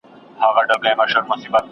زور د شلو انسانانو ورسره وو